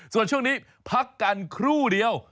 ส่วนช่วงนี้พักกันครู่เดียว